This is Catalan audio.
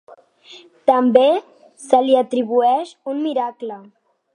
També se li atribueix un miracle.